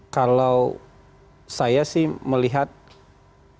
kalau saya sih melihat kemungkinan